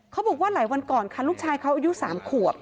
เขาบอกว่าหลายวันก่อนค่ะลูกชายเขาอายุ๓ขวบ